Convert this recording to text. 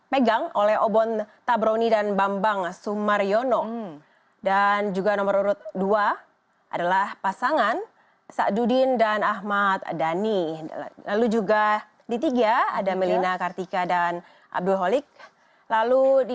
pemilihan umum di kpud kabupaten bekasi